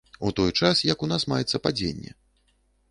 У той час як у нас маецца падзенне.